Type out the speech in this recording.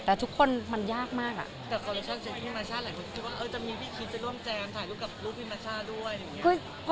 แต่ทุกคนมันยากมาก